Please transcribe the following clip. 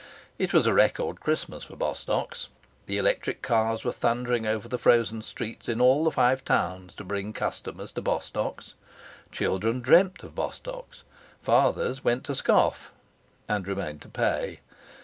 It was a record Christmas for Bostock's. The electric cars were thundering over the frozen streets of all the Five Towns to bring customers to Bostock's. Children dreamt of Bostock's. Fathers went to scoff and remained to pay.